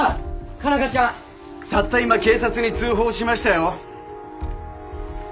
たった今警察に通報しましたよ。